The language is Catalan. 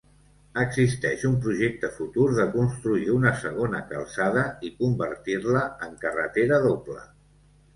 Existeix un projecte futur de construir una segona calçada, i convertir-la en carretera doble.